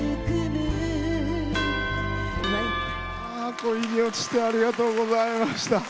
「恋におちて」ありがとうございました。